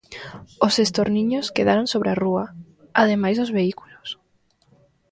Os estorniños quedaron sobre a rúa, ademais dos vehículos.